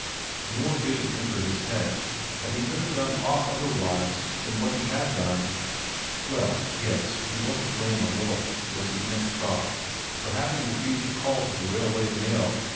Nor did it enter his head that he could have done aught otherwise than what he had done. Well, yes, he was to blame a little, was his next thought, for having refused the call to the Railway Mail.